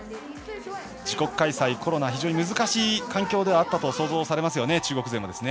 自国開催、コロナと非常に難しい環境ではあったと想像されますね、中国勢も。